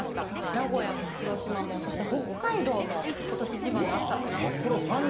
名古屋も広島も、そして北海道も、ことし一番の暑さとなっているんですけれども。